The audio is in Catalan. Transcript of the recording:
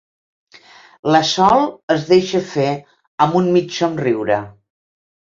La Sol es deixa fer, amb un mig somriure.